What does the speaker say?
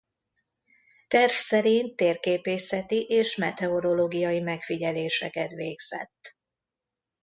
Terv szerint térképészeti és meteorológiai megfigyeléseket végzett.